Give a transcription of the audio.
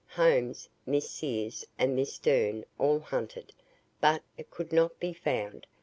Holmes, Miss Sears and Miss Stern all hunted, but it could not be found.